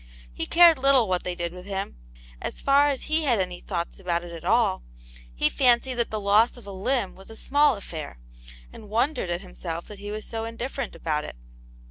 He cared little what they did with him ; as far as he had any thoughts about it at all, he fancied that the loss of a limb was a small affair, and wondered at himself that he was so indifferent about it.